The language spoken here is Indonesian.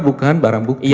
bukan barang bukti